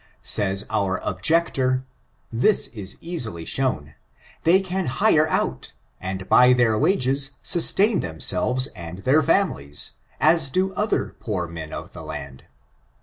Says our objector, this is easily shown — they can hire out and by their wages sustain them selves and their families, as do other poor men of the land.